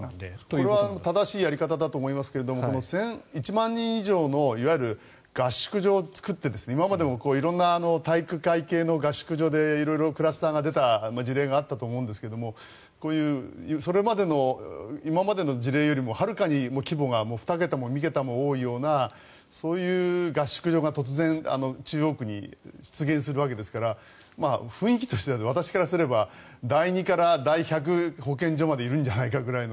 これは正しいやり方だと思いますが１万人以上のいわゆる合宿所を作って今までも体育会系の合宿で色々、クラスターが出た事例があったと思うんですがそれまでの今までの事例よりもはるかに規模が２桁も３桁も数が多いようなそういう合宿所が突然中央区に出現するわけですから雰囲気として、私からすれば第２から第１００保健所までいるんじゃないかという。